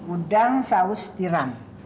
udang saus tiram